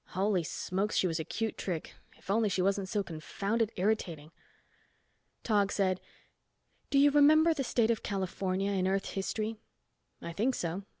Holy smokes, she was a cute trick. If only she wasn't so confounded irritating. Tog said, "Do you remember the State of California in Earth history?" "I think so.